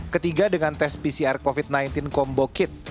ketiga dengan tes pcr covid sembilan belas combo kit